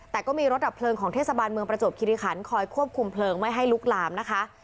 แต่ก็มีรถดับเพลิงของเทศบาลเมืองประจวบคิริคันคอยควบคุมเพลิงไม่ให้ลุกลามนะคะ